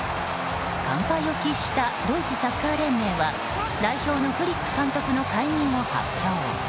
完敗を喫したドイツサッカー連盟は代表のフリック監督の解任を発表。